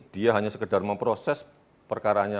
dia hanya sekedar memproses perkaranya